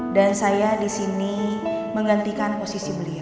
dan saya disini menggantikan posisi beliau